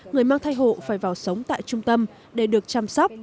người mang thai hộ phải vào sống tại trung tâm để được chăm sóc